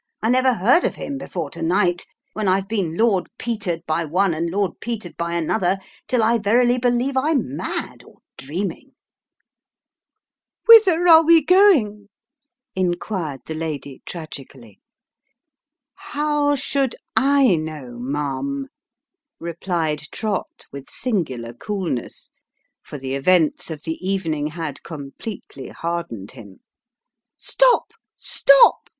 I never heard of him before to night, when I've been Lord Peter'd by one and Lord Peter'd by another, till I verily believe I'm mad, or dreaming "" Whither are we going ?" inquired the lady tragically. " How should Jknow, ma'am ?" replied Trott with singular coolness ; for the events of the evening had completely hardened him. " Stop ! stop